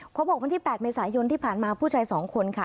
พอบอกวันที่๘เมษายนที่ผ่านมาผู้ชาย๒คนค่ะ